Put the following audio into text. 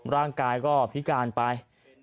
ร่างกายก็พิการไป